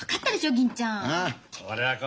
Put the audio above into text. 銀ちゃん。